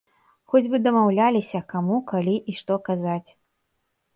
Хоць бы дамаўляліся, каму, калі і што казаць.